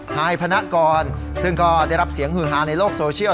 ฮายพนกรซึ่งก็ได้รับเสียงฮือฮาในโลกโซเชียล